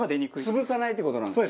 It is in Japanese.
潰さないって事なんですね。